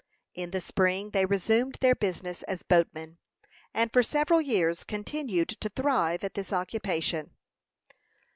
In the spring they resumed their business as boatmen, and for several years continued to thrive at this occupation.